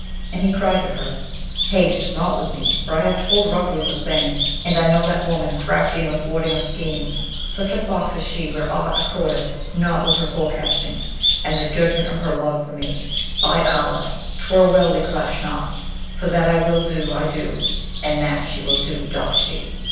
And he cried to her, 'Haste! mount with me; for I have told Rukrooth a thing; and I know that woman crafty in the thwarting of schemes; such a fox is she where aught accordeth not with her forecastings, and the judgment of her love for me! By Allah! 'twere well we clash not; for that I will do I do, and that she will do doth she.'